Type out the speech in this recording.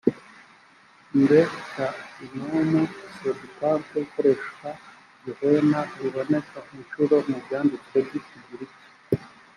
mbe cya hinomu septante ikoresha gehena riboneka incuro mu byanditswe by ikigiriki